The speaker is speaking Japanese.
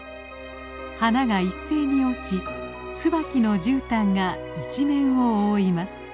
花が一斉に落ちツバキのじゅうたんが一面を覆います。